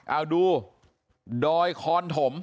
เอาดูดอยคอนถม